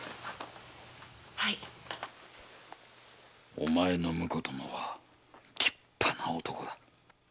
お前の婿殿は立派な男だ。